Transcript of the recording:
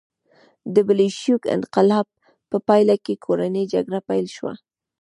د بلشویک انقلاب په پایله کې کورنۍ جګړه پیل شوه.